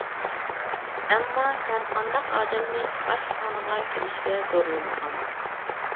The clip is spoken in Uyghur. ئەمما، ھەر قانداق ئادەمنى ئاشخانىغا كىرىشكە زورلىمىغان.